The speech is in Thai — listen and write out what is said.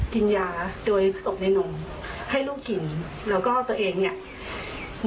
กินยาโดยศพในนมให้ลูกกินแล้วก็ตัวเองเนี่ย